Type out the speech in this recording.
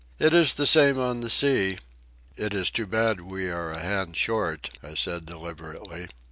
It is the same on the sea." "It's too bad we are a hand short," I said deliberately.